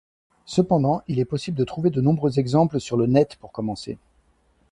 Cependant, il est possible de trouver de nombreux exemples sur le net pour commencer.